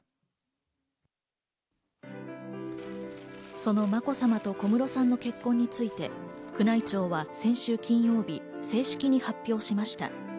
そのまこさまと小室さんの結婚について宮内庁は先週金曜日、正式に発表しました。